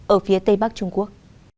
ở phía tây bắc trung quốc